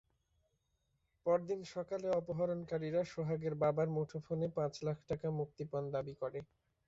পরদিন সকালে অপহরণকারীরা সোহাগের বাবার মুঠোফোনে পাঁচ লাখ টাকা মুক্তিপণ দাবি করে।